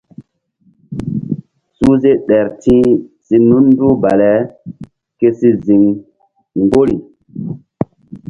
Suhze ɗer ti̧h si nunduh bale ke si ziŋ mgbori.